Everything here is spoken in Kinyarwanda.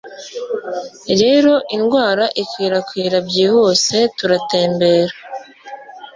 Rero indwara ikwirakwira byihuse. Turatembera